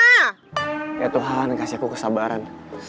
ya tuhan kasih aku kesabaran